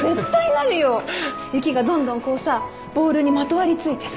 雪がどんどんこうさボールにまとわり付いてさ。